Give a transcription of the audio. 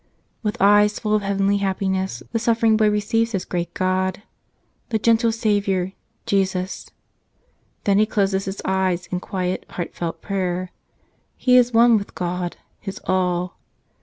With eyes full of heavenly happiness the suffering boy receives His great God, the gentle Savior, Jesus. Then he closes his eyes in quiet, heartfelt prayer. He is one with God, his all.